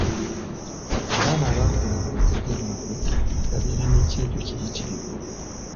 Abaana abaakulira ku bajjajja baabwe babeera n’ekyejo kiyitirivu.